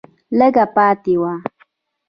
لږه پاتې وه